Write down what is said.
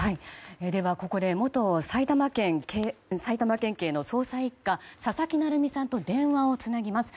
では、ここで元埼玉県警の捜査１課佐々木成三さんと電話をつなぎます。